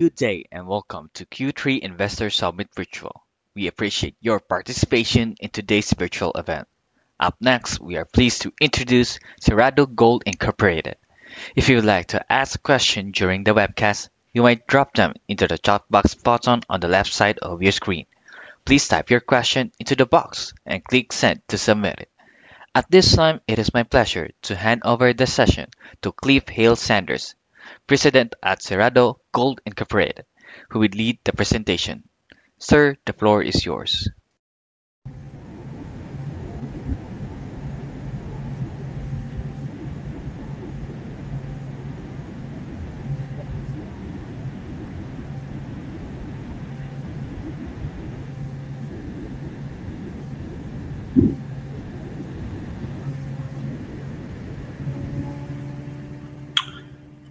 Good day and welcome to Q3 Investor Summit Virtual. We appreciate your participation in today's virtual event. Up next, we are pleased to introduce Cerrado Gold Incorporated. If you would like to ask a question during the webcast, you may drop them into the chat box button on the left side of your screen. Please type your question into the box and click "Send" to submit it. At this time, it is my pleasure to hand over the session to Cliff Hale-Sanders, President at Cerrado Gold Incorporated, who will lead the presentation. Sir, the floor is yours.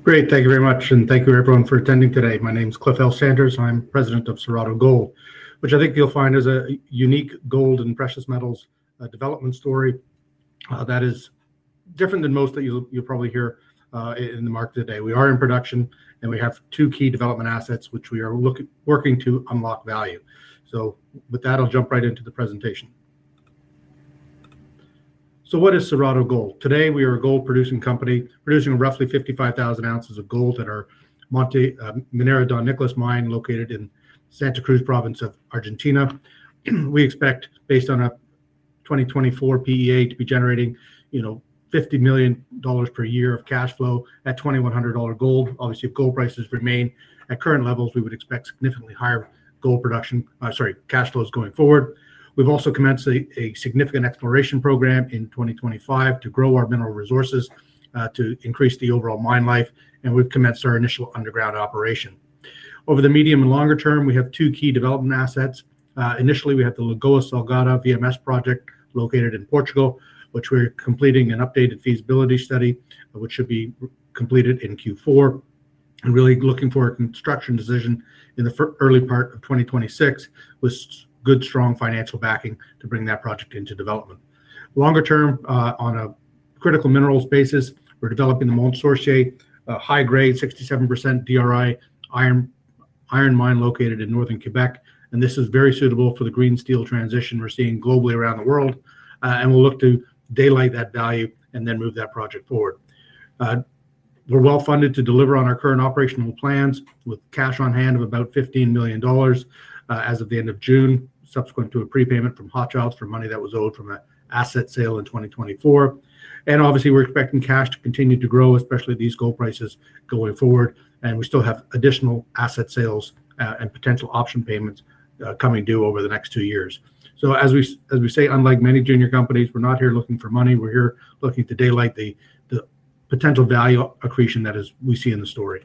Great, thank you very much, and thank you everyone for attending today. My name is Cliff Hale-Sanders, and I'm President of Cerrado Gold, which I think you'll find is a unique gold and precious metals development story that is different than most that you'll probably hear in the market today. We are in production, and we have two key development assets which we are working to unlock value. With that, I'll jump right into the presentation. What is Cerrado Gold? Today, we are a gold producing company, producing roughly 55,000 oz of gold at our Minera Don Nicolás mine located in Santa Cruz province of Argentina. We expect, based on our 2024 PEA, to be generating $50 million per year of cash flow at $2,100 gold. Obviously, if gold prices remain at current levels, we would expect significantly higher gold production, sorry, cash flows going forward. We've also commenced a significant exploration program in 2025 to grow our mineral resources to increase the overall mine life, and we've commenced our initial underground operation. Over the medium and longer term, we have two key development assets. Initially, we have the Lagoa Salgada VMS project located in Portugal, which we're completing an updated feasibility study, which should be completed in Q4. We're really looking for a construction decision in the early part of 2026 with good, strong financial backing to bring that project into development. Longer term, on a critical minerals basis, we're developing the Mont Sorcier, a high-grade, 67% DRI iron mine located in northern Quebec, and this is very suitable for the green steel transition we're seeing globally around the world. We'll look to daylight that value and then move that project forward. We're well-funded to deliver on our current operational plans with cash on hand of about $15 million as of the end of June, subsequent to a prepayment from Hochschild for money that was owed from an asset sale in 2024. Obviously, we're expecting cash to continue to grow, especially with these gold prices going forward, and we still have additional asset sales and potential option payments coming due over the next two years. As we say, unlike many junior companies, we're not here looking for money. We're here looking to daylight the potential value accretion that we see in the story.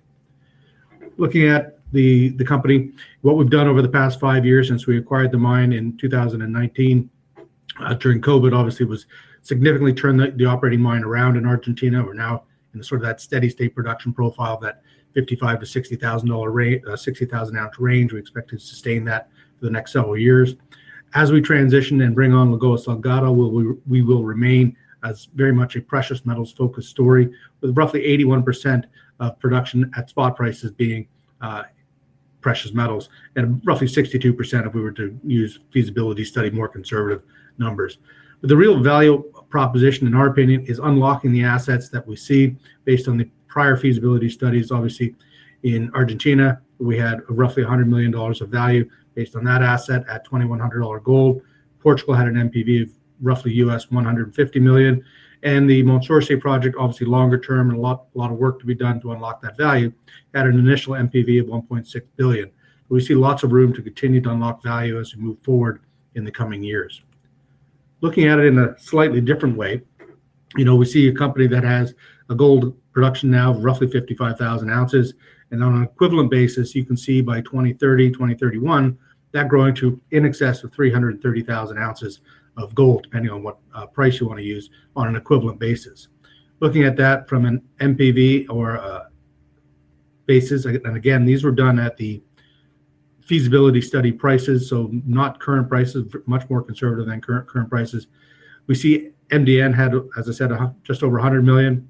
Looking at the company, what we've done over the past five years since we acquired the mine in 2019, during COVID, obviously, was significantly turn the operating mine around in Argentina. We're now in that steady state production profile of that $55,000-$60,000 range. We expect to sustain that for the next several years. As we transition and bring on Lagoa Salgada, we will remain very much a precious metals focused story with roughly 81% of production at spot prices being precious metals and roughly 62% if we were to use feasibility study more conservative numbers. The real value proposition, in our opinion, is unlocking the assets that we see based on the prior feasibility studies. Obviously, in Argentina, we had roughly $100 million of value based on that asset at $2,100 gold. Portugal had an NPV of roughly $150 million, and the Mont Sorcier project, obviously longer term, and a lot of work to be done to unlock that value at an initial NPV of $1.6 billion. We see lots of room to continue to unlock value as we move forward in the coming years. Looking at it in a slightly different way, you know, we see a company that has a gold production now of roughly 55,000 oz, and on an equivalent basis, you can see by 2030, 2031, that growing to in excess of 330,000 oz of gold, depending on what price you want to use on an equivalent basis. Looking at that from an NPV or a basis, and again, these were done at the feasibility study prices, so not current prices, much more conservative than current prices. We see MDN had, as I said, just over $100 million.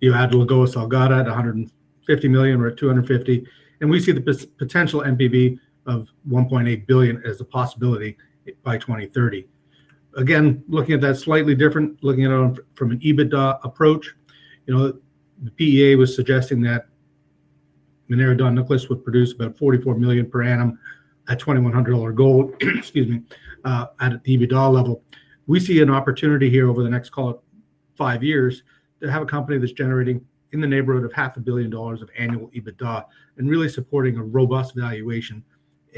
You add Lagoa Salgada to $150 million or $250 million, and we see the potential NPV of $1.8 billion as a possibility by 2030. Again, looking at that slightly different, looking at it from an EBITDA approach, you know, the PEA was suggesting that Minera Don Nicolás would produce about $44 million per annum at $2,100 gold, excuse me, at the EBITDA level. We see an opportunity here over the next, call it, five years to have a company that's generating in the neighborhood of half a billion dollars of annual EBITDA and really supporting a robust valuation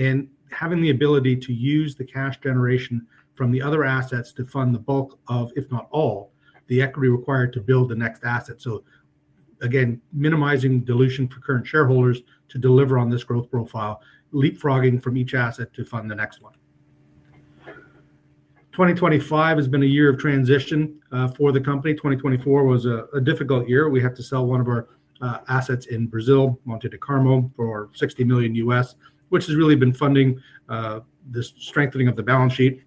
and having the ability to use the cash generation from the other assets to fund the bulk of, if not all, the equity required to build the next asset. Again, minimizing dilution for current shareholders to deliver on this growth profile, leapfrogging from each asset to fund the next one. 2025 has been a year of transition for the company. 2024 was a difficult year. We had to sell one of our assets in Brazil, Monte do Carmo, for $60 million, which has really been funding the strengthening of the balance sheet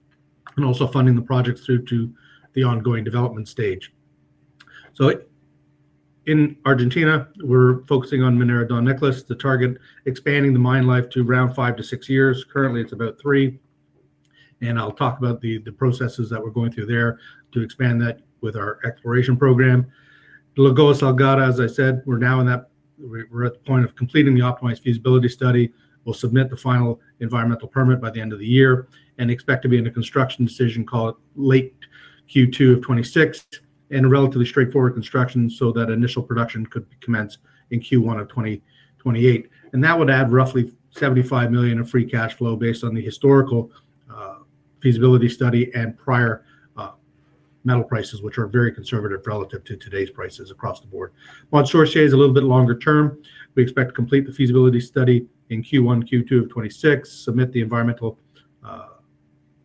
and also funding the project through to the ongoing development stage. In Argentina, we're focusing on Minera Don Nicolás to target expanding the mine life to around five to six years. Currently, it's about three, and I'll talk about the processes that we're going through there to expand that with our exploration program. Lagoa Salgada, as I said, we're now in that, we're at the point of completing the optimized feasibility study. We'll submit the final environmental permit by the end of the year and expect to be in a construction decision, call it, late Q2 of 2026 and a relatively straightforward construction so that initial production could commence in Q1 of 2028. That would add roughly $75 million of free cash flow based on the historical feasibility study and prior metal prices, which are very conservative relative to today's prices across the board. Mont Sorcier is a little bit longer term. We expect to complete the feasibility study in Q1, Q2 of 2026, submit the environmental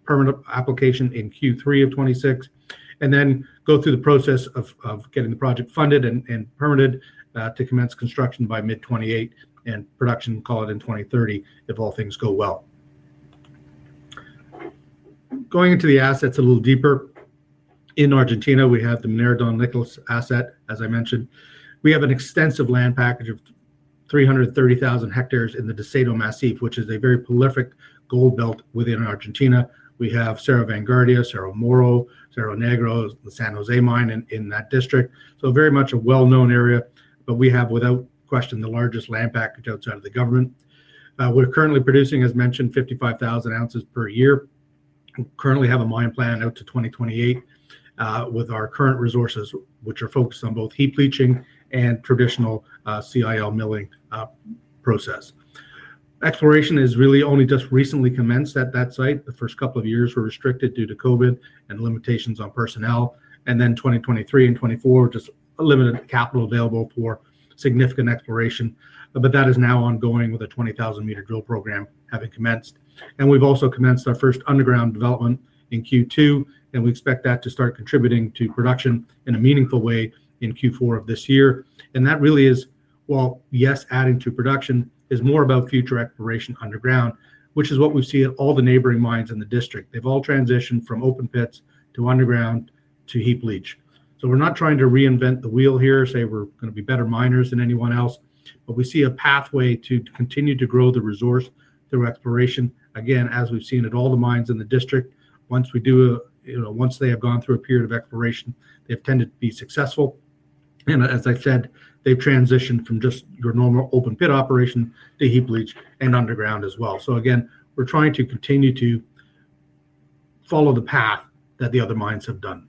permit application in Q3 of 2026, and then go through the process of getting the project funded and permitted to commence construction by mid 2028 and production, call it, in 2030 if all things go well. Going into the assets a little deeper, in Argentina, we have the Minera Don Nicolás asset, as I mentioned. We have an extensive land package of 330,000 hectares in the Deseado Massif, which is a very prolific gold belt within Argentina. We have Cerro Vanguardia, Cerro Moro, Cerro Negro, the San José mine in that district. It is very much a well-known area, but we have, without question, the largest land package outside of the government. We're currently producing, as mentioned, 55,000 oz per year. We currently have a mine plan out to 2028 with our current resources, which are focused on both heap leaching and traditional CIL milling process. Exploration is really only just recently commenced at that site. The first couple of years were restricted due to COVID and limitations on personnel, and then 2023 and 2024 were just limited capital available for significant exploration. That is now ongoing with a 20,000-meters drill program having commenced. We have also commenced our first underground development in Q2, and we expect that to start contributing to production in a meaningful way in Q4 of this year. That really is, yes, adding to production is more about future exploration underground, which is what we see at all the neighboring mines in the district. They have all transitioned from open pits to underground to heap leach. We are not trying to reinvent the wheel here or say we are going to be better miners than anyone else, but we see a pathway to continue to grow the resource through exploration. As we have seen at all the mines in the district, once they have gone through a period of exploration, they have tended to be successful. As I said, they have transitioned from just your normal open pit operation to heap leach and underground as well. We are trying to continue to follow the path that the other mines have done.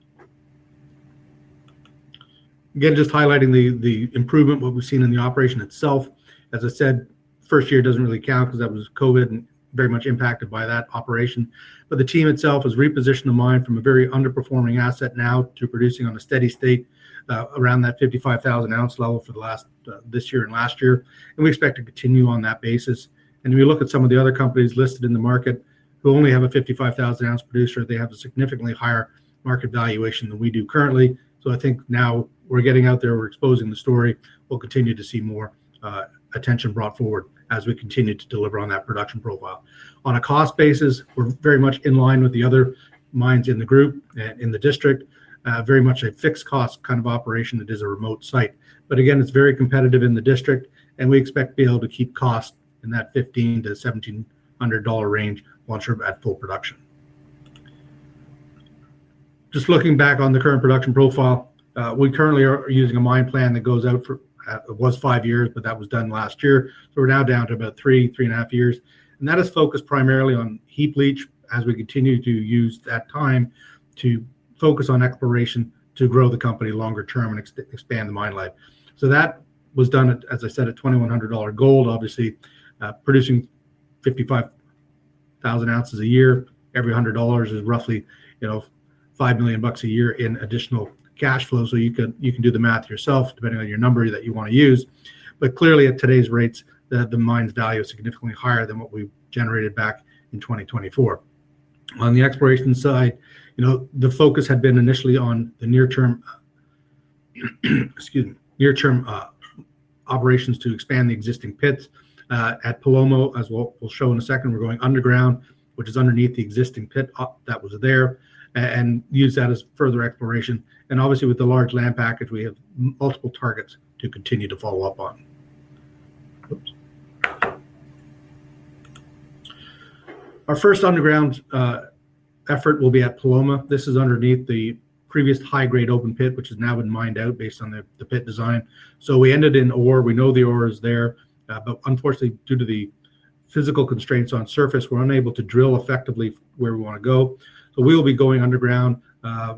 Highlighting the improvement, what we have seen in the operation itself. As I said, first year does not really count because that was COVID and very much impacted by that operation. The team itself has repositioned the mine from a very underperforming asset now to producing on a steady state around that 55,000 oz level for this year and last year. We expect to continue on that basis. If we look at some of the other companies listed in the market, we only have a 55,000 oz producer. They have a significantly higher market valuation than we do currently. I think now we are getting out there, we are exposing the story. We will continue to see more attention brought forward as we continue to deliver on that production profile. On a cost basis, we are very much in line with the other mines in the group and in the district, very much a fixed cost kind of operation that is a remote site. It is very competitive in the district, and we expect to be able to keep cost in that $1,500-$1,700 range once we are at full production. Looking back on the current production profile, we currently are using a mine plan that goes out for, it was five years, but that was done last year. We are now down to about three, three and a half years. That is focused primarily on heap leach as we continue to use that time to focus on exploration to grow the company longer term and expand the mine life. That was done, as I said, at $2,100 gold, obviously producing 55,000 oz a year. Every $100 is roughly, you know, $5 million a year in additional cash flow. You can do the math yourself, depending on your number that you want to use. Clearly, at today's rates, the mine's value is significantly higher than what we generated back in 2024. On the exploration side, the focus had been initially on the near-term operations to expand the existing pits at Paloma, as we'll show in a second. We're going underground, which is underneath the existing pit that was there, and use that as further exploration. Obviously, with the large land package, we have multiple targets to continue to follow up on. Our first underground effort will be at Paloma. This is underneath the previous high-grade open pit, which has now been mined out based on the pit design. We ended in ore. We know the ore is there, but unfortunately, due to the physical constraints on surface, we're unable to drill effectively where we want to go. We will be going underground.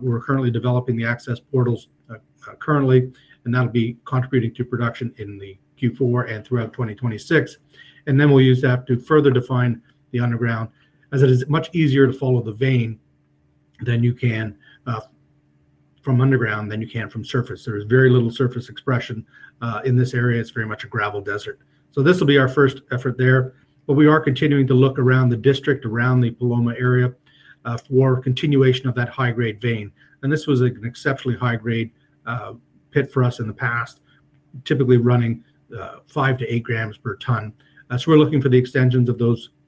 We're currently developing the access portals, and that'll be contributing to production in Q4 and throughout 2026. We'll use that to further define the underground, as it is much easier to follow the vein from underground than you can from surface. There's very little surface expression in this area. It's very much a gravel desert. This will be our first effort there. We are continuing to look around the district, around the Paloma area for continuation of that high-grade vein. This was an exceptionally high-grade pit for us in the past, typically running 5-8 g per ton. We're looking for the extensions of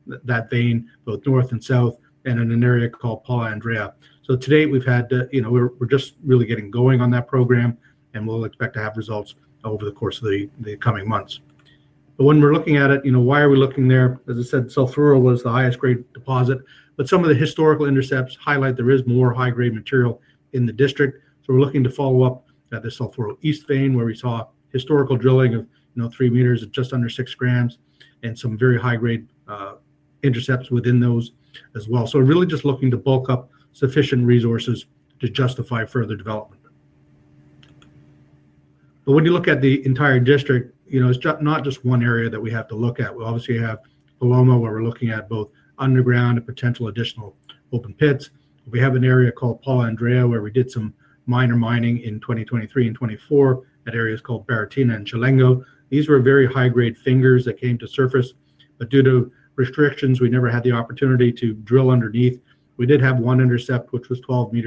that vein, both north and south, and in an area called Paula Andrea. Today we've had, you know, we're just really getting going on that program, and we'll expect to have results over the course of the coming months. When we're looking at it, you know, why are we looking there? As I said, Sulfuro was the highest grade deposit, but some of the historical intercepts highlight there is more high-grade material in the district. We're looking to follow up at the Sulfuro East vein, where we saw historical drilling of 3 m at just under 6 g and some very high-grade intercepts within those as well. We're really just looking to bulk up sufficient resources to justify further development. When you look at the entire district, it's not just one area that we have to look at. We obviously have Paloma, where we're looking at both underground and potential additional open pits. We have an area called Paula Andrea, where we did some minor mining in 2023 and 2024 at areas called Baritina and Chulengo. These were very high-grade fingers that came to surface, but due to restrictions, we never had the opportunity to drill underneath. We did have one intercept, which was 12 m,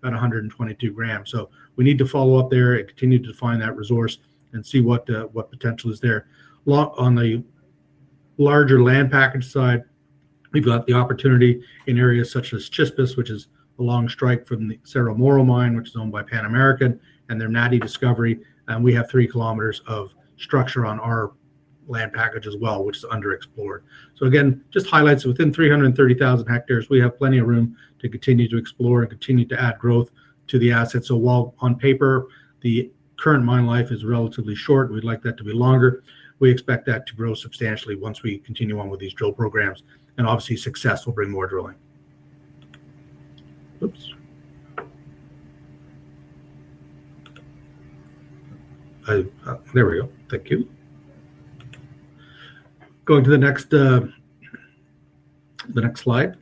about 122 g. We need to follow up there and continue to define that resource and see what potential is there. On the larger land package side, we've got the opportunity in areas such as Chispas, which is along strike from the Cerro Moro mine, which is owned by Pan American and their NADI discovery. We have 3 km of structure on our land package as well, which is underexplored. This just highlights that within 330,000 ha, we have plenty of room to continue to explore and continue to add growth to the assets. While on paper, the current mine life is relatively short, we'd like that to be longer. We expect that to grow substantially once we continue on with these drill programs. Obviously, success will bring more drilling. Thank you. Going to the next slide.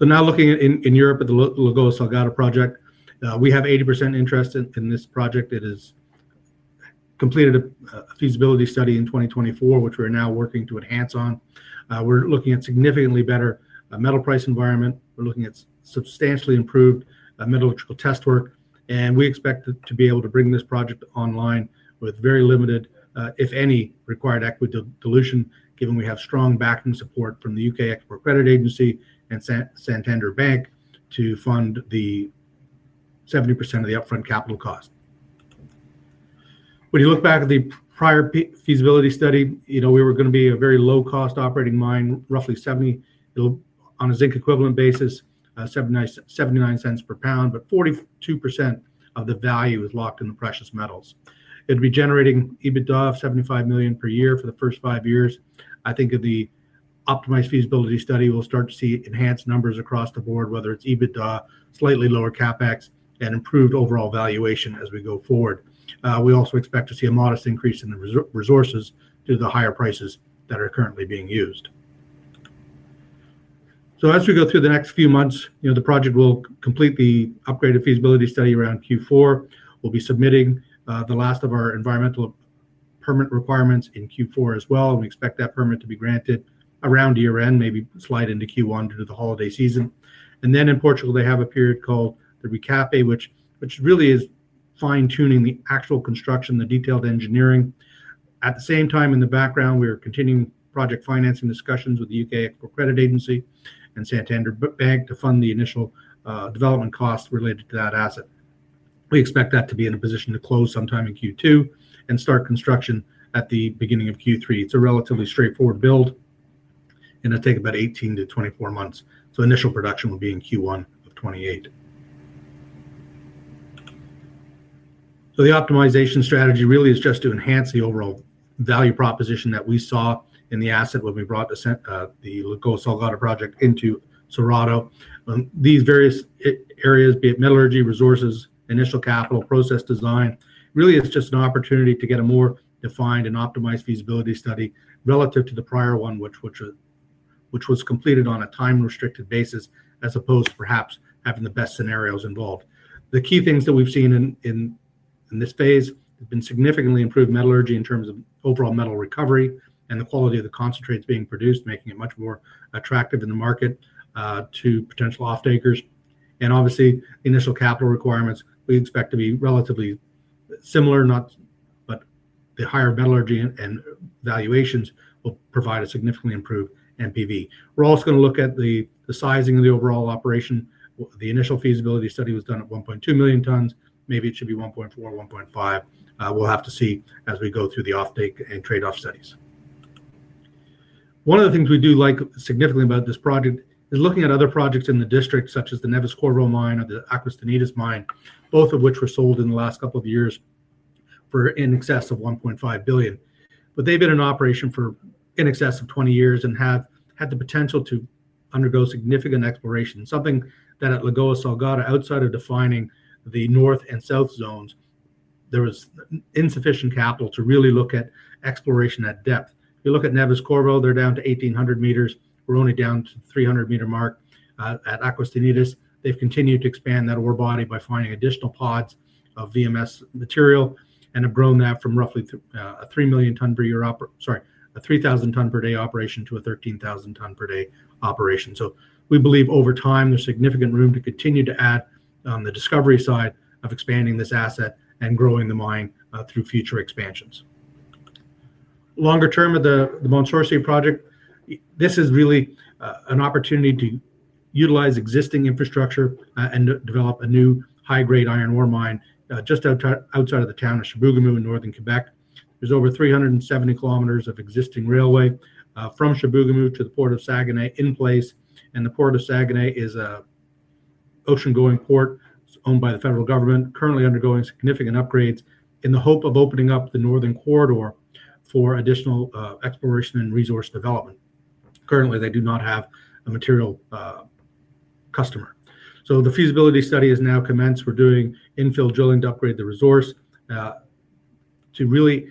Now looking in Europe at the Lagoa Salgada VMS project, we have 80% interest in this project. It has completed a feasibility study in 2024, which we're now working to enhance. We're looking at a significantly better metal price environment. We're looking at substantially improved metallurgical test work. We expect to be able to bring this project online with very limited, if any, required equity dilution, given we have strong backing support from the U.K. Export Credit Agency and Santander Bank to fund 70% of the upfront capital cost. When you look back at the prior feasibility study, we were going to be a very low-cost operating mine, roughly $0.79 per pound on a zinc equivalent basis, but 42% of the value is locked in the precious metals. It would be generating EBITDA of $75 million per year for the first five years. I think with the optimized feasibility study, we'll start to see enhanced numbers across the board, whether it's EBITDA, slightly lower CapEx, and improved overall valuation as we go forward. We also expect to see a modest increase in the resources due to the higher prices that are currently being used. As we go through the next few months, the project will complete the upgraded feasibility study around Q4. We'll be submitting the last of our environmental permit requirements in Q4 as well, and we expect that permit to be granted around year-end, maybe slide into Q1 due to the holiday season. In Portugal, they have a period called the RECAPE, which really is fine-tuning the actual construction, the detailed engineering. At the same time, in the background, we are continuing project financing discussions with the U.K. Export Credit Agency and Santander Bank to fund the initial development costs related to that asset. We expect that to be in a position to close sometime in Q2 and start construction at the beginning of Q3. It's a relatively straightforward build, and it'll take about 18-24 months. Initial production will be in Q1 of 2028. The optimization strategy really is just to enhance the overall value proposition that we saw in the asset when we brought the Lagoa Salgada project into Cerrado. These various areas, be it metallurgy, resources, initial capital, process design, really it's just an opportunity to get a more defined and optimized feasibility study relative to the prior one, which was completed on a time-restricted basis as opposed to perhaps having the best scenarios involved. The key things that we've seen in this phase have been significantly improved metallurgy in terms of overall metal recovery and the quality of the concentrates being produced, making it much more attractive in the market to potential off-takers. Obviously, the initial capital requirements we expect to be relatively similar, but the higher metallurgy and valuations will provide a significantly improved NPV. We're also going to look at the sizing of the overall operation. The initial feasibility study was done at 1.2 million tons. Maybe it should be 1.4 million tons, 1.5 million tons. We'll have to see as we go through the off-take and trade-off studies. One of the things we do like significantly about this project is looking at other projects in the district, such as the Neves Corvo mine or the Acosta Nidez mine, both of which were sold in the last couple of years for in excess of $1.5 billion. They've been in operation for in excess of 20 years and have had the potential to undergo significant exploration, something that at Lagoa Salgada, outside of defining the north and south zones, there was insufficient capital to really look at exploration at depth. You look at Neves Corvo, they're down to 1,800 m. We're only down to the 300-m mark at Acosta Nidez. They've continued to expand that ore body by finding additional pods of VMS material and have grown that from roughly a 3 million ton per year, sorry, a 3,000 ton per day operation to a 13,000 ton per day operation. We believe over time there's significant room to continue to add on the discovery side of expanding this asset and growing the mine through future expansions. Longer term, the Mont Sorcier project is really an opportunity to utilize existing infrastructure and develop a new high-grade iron ore mine just outside of the town of Chibougamau in northern Quebec. There's over 370 km of existing railway from Chibougamau to the port of Saguenay in place, and the port of Saguenay is an ocean-going port owned by the federal government, currently undergoing significant upgrades in the hope of opening up the northern corridor for additional exploration and resource development. Currently, they do not have a material customer. The feasibility study has now commenced. We're doing infill drilling to upgrade the resource to really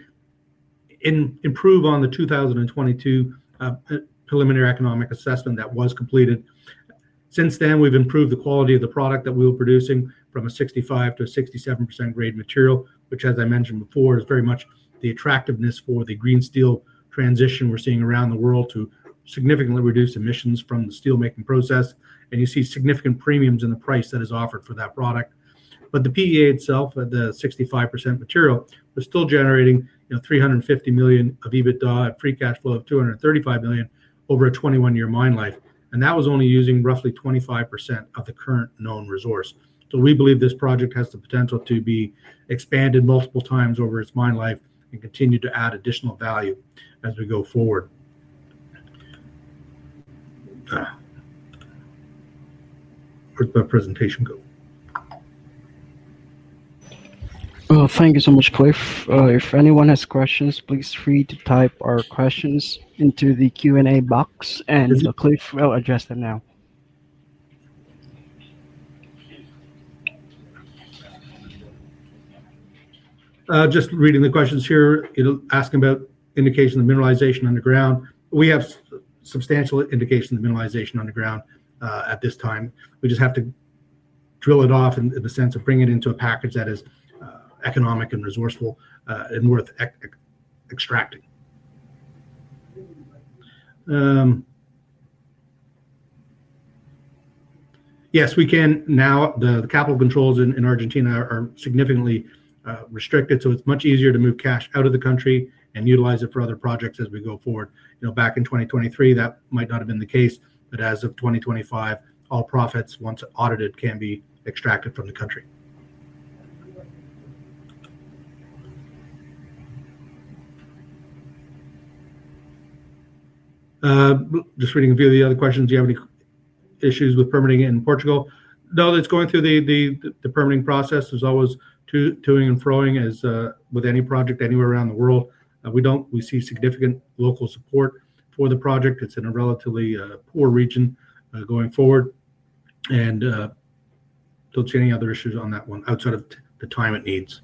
improve on the 2022 preliminary economic assessment that was completed. Since then, we've improved the quality of the product that we were producing from a 65%-67% grade material, which, as I mentioned before, is very much the attractiveness for the green steel transition we're seeing around the world to significantly reduce emissions from the steelmaking process. You see significant premiums in the price that is offered for that product. The PEA itself, the 65% material, was still generating $350 million of EBITDA at a free cash flow of $235 million over a 21-year mine life. That was only using roughly 25% of the current known resource. We believe this project has the potential to be expanded multiple times over its mine life and continue to add additional value as we go forward. Where's the presentation go? Thank you so much, Cliff. If anyone has questions, please feel free to type your questions into the Q&A box, and Cliff will address them now. Just reading the questions here, you know, asking about indication of mineralization underground. We have substantial indication of mineralization underground at this time. We just have to drill it off in the sense of bringing it into a package that is economic and resourceful and worth extracting. Yes, we can now, the capital controls in Argentina are significantly restricted, so it's much easier to move cash out of the country and utilize it for other projects as we go forward. Back in 2023, that might not have been the case, but as of 2025, all profits, once audited, can be extracted from the country. Just reading a few of the other questions. Do you have any issues with permitting in Portugal? No, it's going through the permitting process. There's always to-ing and fro-ing as with any project anywhere around the world. We do receive significant local support for the project. It's in a relatively poor region going forward. I don't see any other issues on that one outside of the time it needs.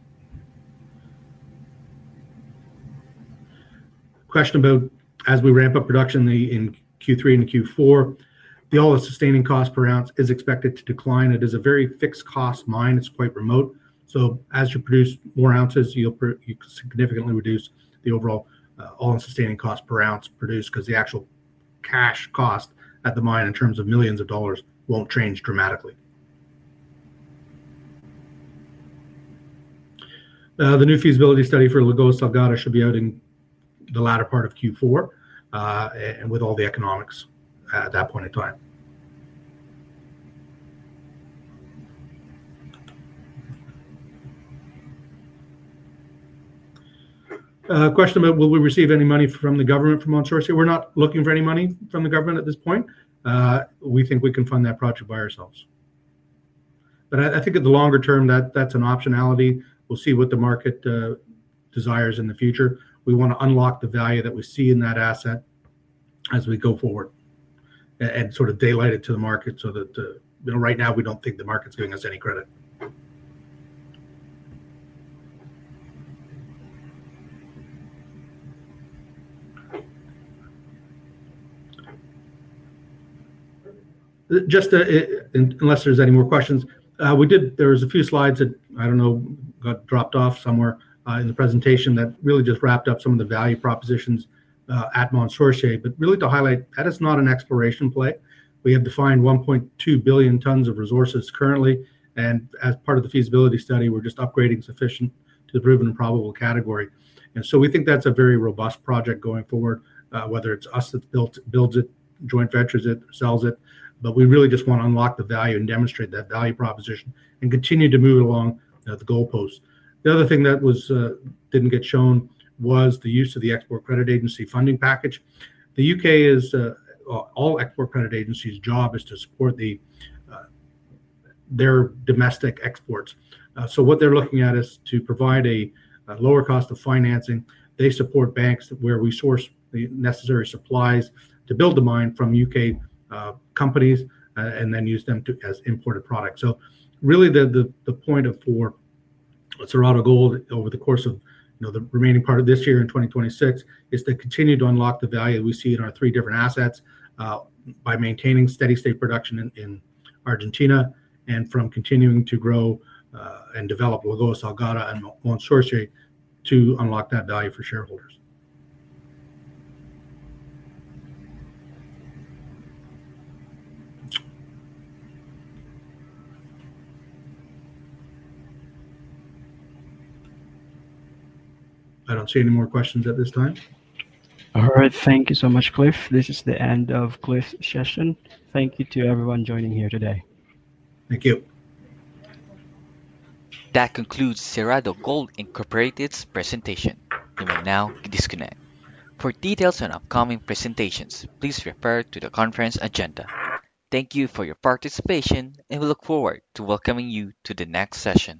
Question about, as we ramp up production in Q3 and Q4, the all-in sustaining cost per ounce is expected to decline. It is a very fixed cost mine. It's quite remote. As you produce more ounces, you'll significantly reduce the overall all-in sustaining cost per ounce produced because the actual cash cost at the mine, in terms of millions of dollars, won't change dramatically. The new feasibility study for Lagoa Salgada should be out in the latter part of Q4 with all the economics at that point in time. Question about, will we receive any money from the government for Mont Sorcier? We're not looking for any money from the government at this point. We think we can fund that project by ourselves. I think in the longer term, that's an optionality. We'll see what the market desires in the future. We want to unlock the value that we see in that asset as we go forward and sort of daylight it to the market so that, you know, right now we don't think the market's giving us any credit. Unless there's any more questions, there was a few slides that I don't know got dropped off somewhere in the presentation that really just wrapped up some of the value propositions at Mont Sorcier. Really to highlight, that is not an exploration play. We have defined 1.2 billion tons of resources currently, and as part of the feasibility study, we're just upgrading sufficient to the proven and probable category. We think that's a very robust project going forward, whether it's us that builds it, joint ventures it, or sells it. We really just want to unlock the value and demonstrate that value proposition and continue to move it along at the goalpost. The other thing that didn't get shown was the use of the Export Credit Agency funding package. The U.K. is, well, all Export Credit Agency's job is to support their domestic exports. What they're looking at is to provide a lower cost of financing. They support banks where we source the necessary supplies to build the mine from U.K. companies and then use them as imported products. Really, the point for Cerrado Gold over the course of the remaining part of this year and 2026 is to continue to unlock the value we see in our three different assets by maintaining steady state production in Argentina and from continuing to grow and develop Lagoa Salgada and Mont Sorcier to unlock that value for shareholders. I don't see any more questions at this time. All right, thank you so much, Cliff. This is the end of Cliff's session. Thank you to everyone joining here today. Thank you. That concludes Cerrado Gold Incorporated's presentation. You may now disconnect. For details on upcoming presentations, please refer to the conference agenda. Thank you for your participation, and we look forward to welcoming you to the next session.